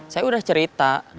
saya udah cerita